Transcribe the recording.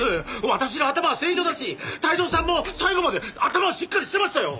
私の頭は正常だし泰造さんも最後まで頭はしっかりしてましたよ！